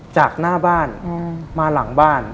จากหน้าบ้านมาหลังบ้าน